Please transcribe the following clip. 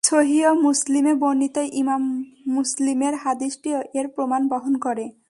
সহীহ মুসলিমে বর্ণিত ইমাম মুসলিমের হাদীসটিও এর প্রমাণ বহন করে।